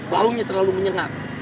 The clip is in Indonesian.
baunya terlalu menyengat